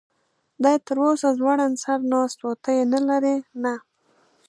دی تراوسه ځوړند سر ناست و، ته یې نه لرې؟ نه.